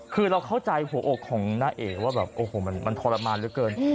ของน้าเอกว่าแบบโอ้โหมันทรมานเท่าไร